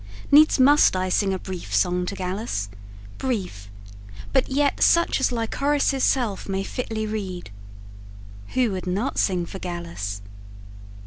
needs must I Sing a brief song to Gallus brief, but yet Such as Lycoris' self may fitly read. Who would not sing for Gallus?